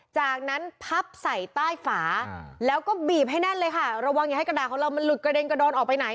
จากนั้นพับใส่ใต้ฝาแล้วก็บีบให้แน่นเลยค่ะระวังอย่าให้กระดาษของเรามันหลุดกระเด็นกระโดนออกไปไหน